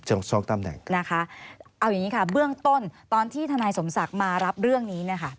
เอาอย่างนี้ค่ะเบื้องต้นตอนที่ทนายสมศักดิ์มารับเรื่องนี้